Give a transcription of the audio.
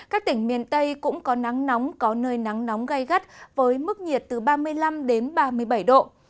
các tỉnh miền tây cũng có nắng nóng có nơi nắng nóng gai gắt với mức nhiệt từ ba mươi năm đến ba mươi bảy độ